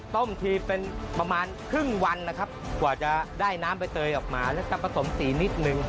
ต้มทีเป็นประมาณครึ่งวันนะครับกว่าจะได้น้ำใบเตยออกมาแล้วก็ผสมสีนิดนึง